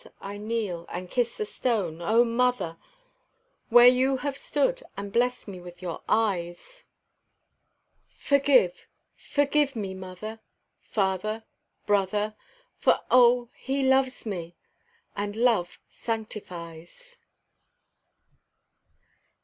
I kneel and kiss the stone, oh, mother, Where you have stood and blessed me with your eyes; Forgive forgive me, mother father brother For oh, he loves me and love sanctifies.